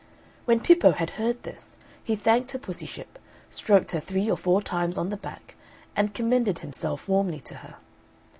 When Pippo had heard this, he thanked Her Pussyship, stroked her three or four times on the back, and commended himself warmly to her.